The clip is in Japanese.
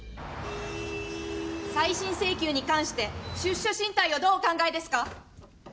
再審請求に関して出処進退をどうお考えですか？